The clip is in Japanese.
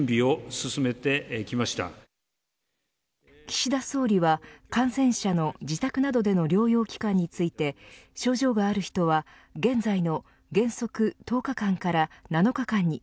岸田総理は感染者の自宅などでの療養期間について症状がある人は現在の原則１０日間から７日間に。